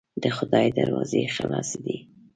د خدای دروازې خلاصې دي.